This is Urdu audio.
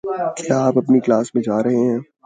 کیا آپ اپنی کلاس میں جا رہے ہیں؟